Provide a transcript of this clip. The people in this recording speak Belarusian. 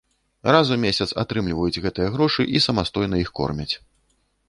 Раз у месяц атрымліваюць гэтыя грошы і самастойна іх кормяць.